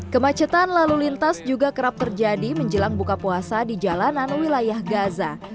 kemacetan lalu lintas juga kerap terjadi menjelang buka puasa di jalanan wilayah gaza